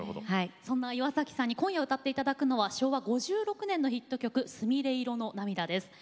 そんな岩崎さんに今夜歌っていただくのは昭和５６年のヒット曲「すみれ色の涙」です。